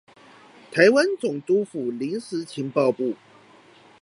臺灣總督府臨時情報部